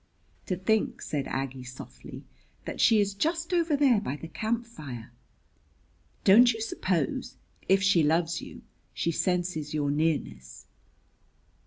"To think," said Aggie softly, "that she is just over there by the camp fire! Don't you suppose, if she loves you, she senses your nearness?"